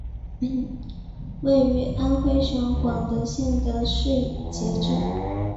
位于安徽省广德县的誓节镇。